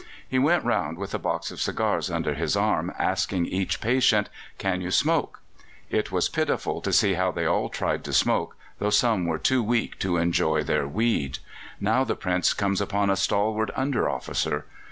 He went round with a box of cigars under his arm, asking each patient, "Can you smoke?" It was pitiful to see how they all tried to smoke, though some were too weak to enjoy their weed. Now the Prince comes upon a stalwart under officer.